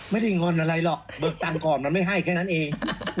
งอนอะไรหรอกเบิกตังค์ก่อนมันไม่ให้แค่นั้นเอง